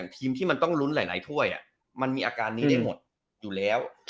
ทีมที่มันต้องลุ้นหลายถ้วยมันมีอาการนี้ได้หมดอยู่แล้ว